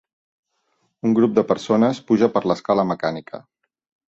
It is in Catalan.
Un grup de persones puja per l'escala mecànica.